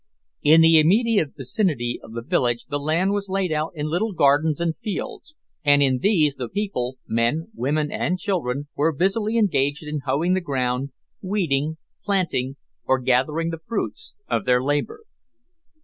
In the immediate vicinity of the village the land was laid out in little gardens and fields, and in these the people men, women, and children, were busily engaged in hoeing the ground, weeding, planting, or gathering the fruits of their labour.